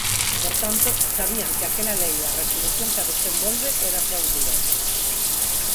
Por tanto, sabían que aquela lei e a resolución que a desenvolve era fraudulenta.